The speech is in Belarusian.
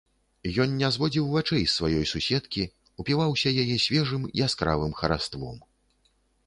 Ён не зводзіў вачэй з сваёй суседкі, упіваўся яе свежым яскравым хараством.